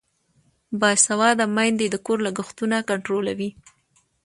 باسواده میندې د کور لګښتونه کنټرولوي.